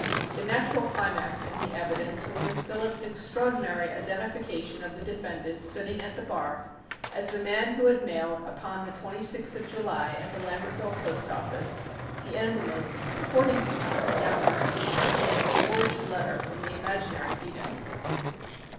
The natural climax in the evidence was Miss Phillip's extraordinary identification of the defendant sitting at the bar as the man who had mailed upon the 26th of July, at the Lambertville post office, the envelope purporting to come from Yonkers and containing the forged letter from the imaginary Vito.